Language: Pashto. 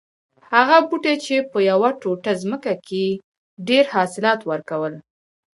هغه بوټی چې په یوه ټوټه ځمکه کې یې ډېر حاصلات ور کول